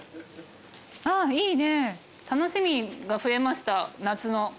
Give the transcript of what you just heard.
あっいいね楽しみが増えました夏の。